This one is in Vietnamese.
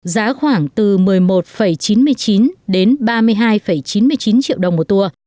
giá khoảng từ một mươi một chín mươi chín đến ba mươi hai chín mươi chín triệu đồng một tour